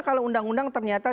kalau undang undang ternyata